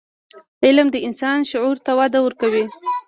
علم د انسان شعور ته وده ورکوي.